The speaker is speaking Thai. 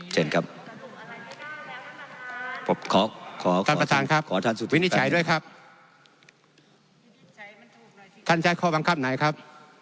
ถ้ายากข้อบังคับนะครับ